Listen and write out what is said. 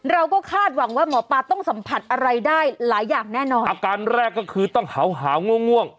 เราก็คาดหวังว่าหมอปลาต้องสัมผัสอะไรได้หลายอย่างแน่นอนอาการแรกก็คือต้องหาวหาวงง่วง